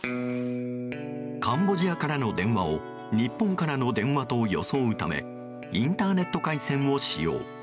カンボジアからの電話を日本からの電話と装うためインターネット回線を使用。